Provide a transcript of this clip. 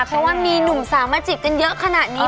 เพราะว่ามีหนุ่มสาวมาจีบกันเยอะขนาดนี้